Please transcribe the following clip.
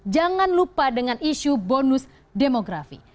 jangan lupa dengan isu bonus demografi